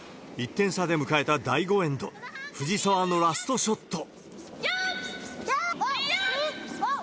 １点差で迎えた第５エンド、藤澤のラストショット。